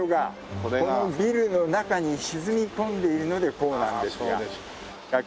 このビルの中に沈み込んでいるのでこうなんですが。